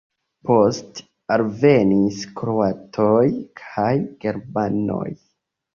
Poste alvenis kroatoj kaj germanoj.